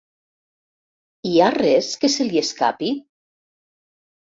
Hi ha res que se li escapi?